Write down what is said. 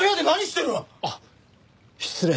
ああ失礼。